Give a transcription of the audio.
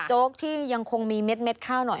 โจ๊กที่ยังคงมีเม็ดข้าวหน่อย